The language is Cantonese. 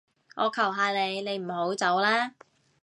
我求下你，你唔好走啦